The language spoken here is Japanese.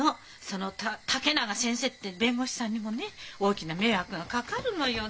その竹永先生って弁護士さんにもね大きな迷惑がかかるのよ。